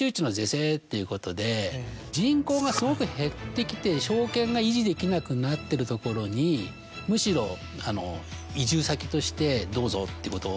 人口がすごく減ってきて商圏が維持できなくなってるところにむしろ移住先としてどうぞってことを。